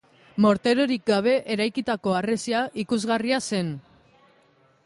Morterorik gabe eraikitako harresia ikusgarria zen.